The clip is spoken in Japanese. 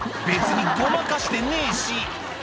別にごまかしてねえし」